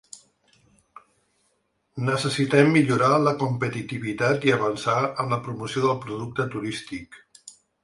Necessitem millorar la competitivitat i avançar en la promoció del producte turístic.